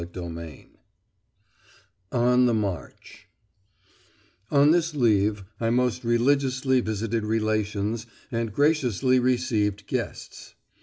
CHAPTER V ON THE MARCH On this leave I most religiously visited relations and graciously received guests.